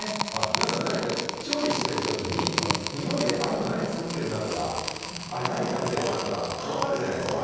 皆さん何か調理してるときににおいで今何作ってるなとかあれ何を食べてるなとか分かるじゃないですか。